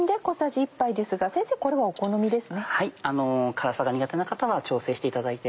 辛さが苦手な方は調整していただいて。